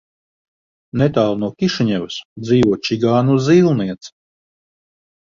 Netālu no Kišiņevas dzīvo čigānu zīlniece.